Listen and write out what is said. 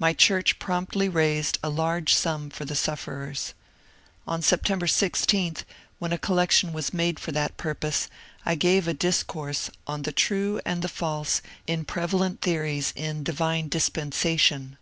My church promptly raised a large sum for the sufferers. On September 16, when a collection was made for that purpose, I gave a discourse on ^' The True and the False in Prevalent Theories in Divine Dispensation."